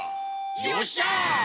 よっしゃ！